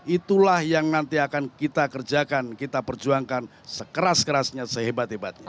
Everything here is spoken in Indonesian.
itulah yang nanti akan kita kerjakan kita perjuangkan sekeras kerasnya sehebat hebatnya